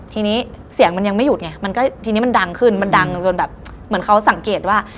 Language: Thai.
ทีนี้เสียงมันยังไม่หยุดไงมันก็ทีนี้มันดังขึ้นมันดังจนแบบเหมือนเขาสังเกตว่า